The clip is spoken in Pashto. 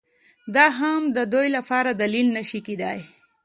دا هم د دوی لپاره دلیل نه شي کېدای